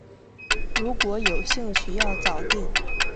如果有兴趣要早定